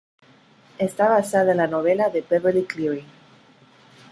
Está basada en la novela de Beverly Cleary.